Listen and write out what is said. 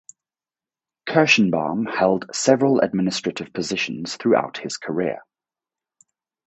Kirschenbaum held several administrative positions throughout his career.